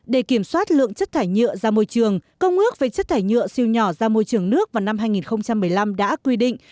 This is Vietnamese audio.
để kiểm soát lượng chất thải nhựa ra môi trường công ước về chất thải nhựa siêu nhỏ ra môi trường nước vào năm hai nghìn một mươi năm đã quy định